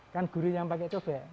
kan gurih yang pakai cobek